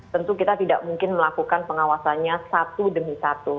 tentu kita tidak mungkin melakukan pengawasannya satu demi satu